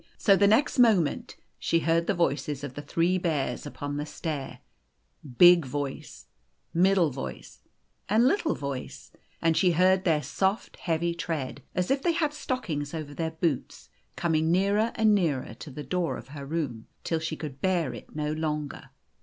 So the next moment she heard the voices of the three bears upon the stair, big voice, middle voice, and little voice, and she heard their soft, heavy tread, as if they had had stockings over their boots, coming nearer and nearer to the door of her room, till she could bear it no longer.